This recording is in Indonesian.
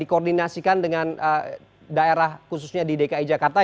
dikoordinasikan dengan daerah khususnya di dki jakarta